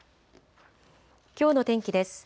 きょうの天気です。